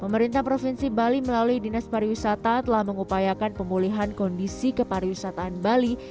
pemerintah provinsi bali melalui dinas pariwisata telah mengupayakan pemulihan kondisi kepariwisataan bali